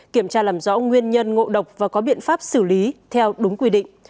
kiểm tra làm rõ nguyên nhân ngộ độc và có biện pháp xử lý theo đúng quy định